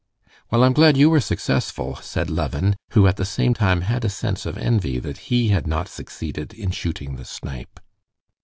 "Well, I'm glad you were successful," said Levin, who, at the same time, had a sense of envy that he had not succeeded in shooting the snipe.